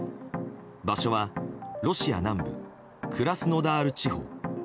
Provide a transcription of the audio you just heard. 場所は、ロシア南部クラスノダール地方。